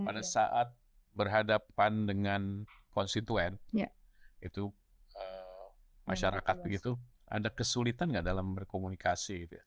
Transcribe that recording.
pada saat berhadapan dengan konstituen itu masyarakat begitu ada kesulitan nggak dalam berkomunikasi